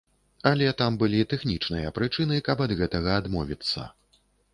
Але там былі тэхнічныя прычыны, каб ад гэтага адмовіцца.